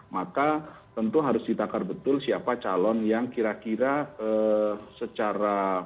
maka tentu harus ditakar betul siapa calon yang kira kira secara